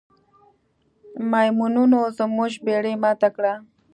میمونونو زموږ بیړۍ ماته کړه.